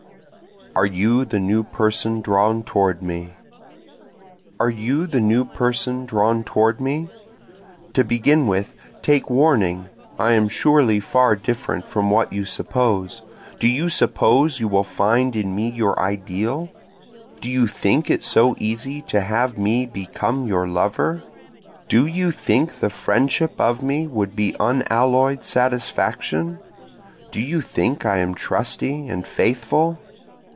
Are You the New Person Drawn Toward Me? Are you the new person drawn toward me? To begin with take warning, I am surely far different from what you suppose; Do you suppose you will find in me your ideal? Do you think it so easy to have me become your lover? Do you think the friendship of me would be unalloy'd satisfaction? Do you think I am trusty and faithful?